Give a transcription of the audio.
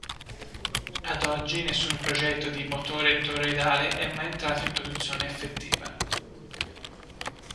Ad oggi nessun progetto di motore toroidale è mai entrato in produzione effettiva.